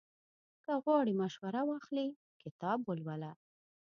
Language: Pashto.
که غواړې مشوره واخلې، کتاب ولوله.